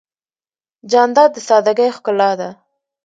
جانداد د سادګۍ ښکلا ده.